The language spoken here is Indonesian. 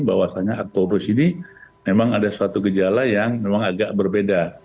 bahwasannya aktobrus ini memang ada suatu gejala yang memang agak berbeda